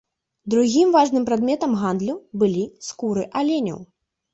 Другім важным прадметам гандлю былі скуры аленяў.